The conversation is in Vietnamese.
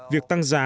việc tăng giá